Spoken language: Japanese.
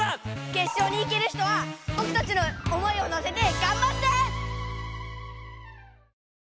決勝に行ける人はぼくたちの思いをのせてがんばって！